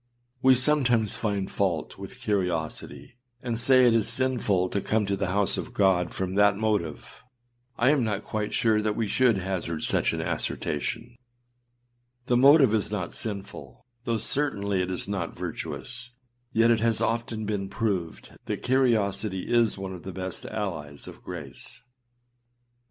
We sometimes find fault with curiosity, and say it is sinful to come to the house of God from that motive; I am not quite sure that we should hazard such an assertion. The motive is not sinful, though certainly it is 318 ClassicChristianLibrary.com 73 Effectual Calling Luke 19:5 not virtuous; yet it has often been proved that curiosity is one of the best allies of grace.